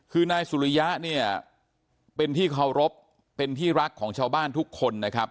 คือนายสุริยะเนี่ยเป็นที่เคารพเป็นที่รักของชาวบ้านทุกคนนะครับ